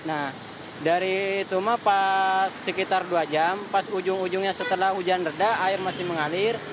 nah dari tuma pas sekitar dua jam pas ujung ujungnya setelah hujan reda air masih mengalir